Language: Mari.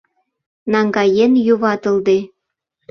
Наҥгаен юватылде.